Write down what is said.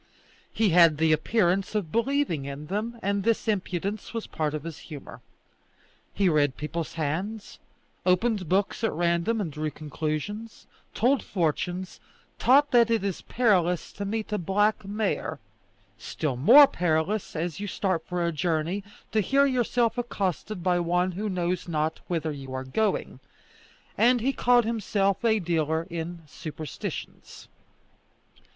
He had the appearance of believing in them, and this impudence was a part of his humour. He read people's hands, opened books at random and drew conclusions, told fortunes, taught that it is perilous to meet a black mare, still more perilous, as you start for a journey, to hear yourself accosted by one who knows not whither you are going; and he called himself a dealer in superstitions.